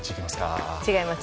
違います？